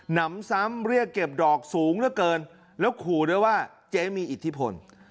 นำซ้ำเรียกเก็บดอกสูงเหลือเกินแล้วขู่ด้วยว่าเจ๊มีอิทธิพล